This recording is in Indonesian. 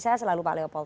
saya selalu pak leopold